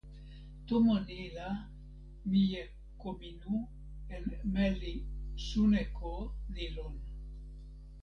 tomo ni la mije Kominu en meli Suneko li lon.